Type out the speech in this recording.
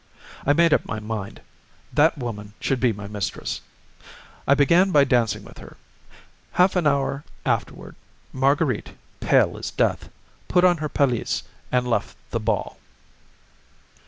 I made up my mind. That woman should be my mistress. I began by dancing with her. Half an hour afterward, Marguerite, pale as death, put on her pelisse and left the ball.